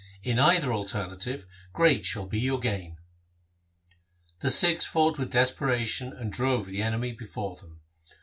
In either alternative great shall be your gain.' The Sikhs fought with desperation and drove the enemy before them.